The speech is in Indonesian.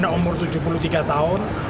umur tujuh puluh tiga tahun